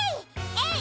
えい！